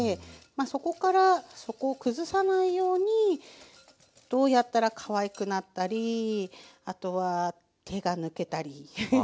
まあそこからそこを崩さないようにどうやったらかわいくなったりあとは手が抜けたりフフフ。